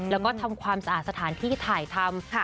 แล้วก็ทำความสะอาดสถานที่ถ่ายทำ